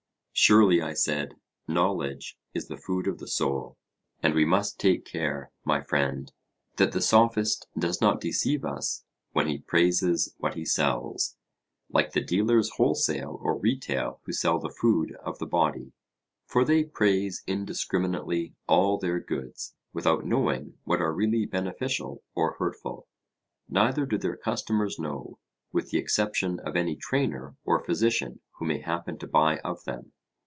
Surely, I said, knowledge is the food of the soul; and we must take care, my friend, that the Sophist does not deceive us when he praises what he sells, like the dealers wholesale or retail who sell the food of the body; for they praise indiscriminately all their goods, without knowing what are really beneficial or hurtful: neither do their customers know, with the exception of any trainer or physician who may happen to buy of them.